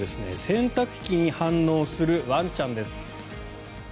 洗濯機に反応するワンちゃんです。